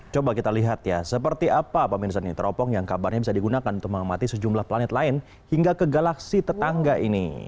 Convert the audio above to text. coba kita lihat ya seperti apa pemirsa ini teropong yang kabarnya bisa digunakan untuk mengamati sejumlah planet lain hingga ke galaksi tetangga ini